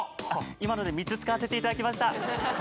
今ので３つ使わせていただきました。